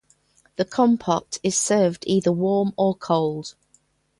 The compote is served either warm or cold.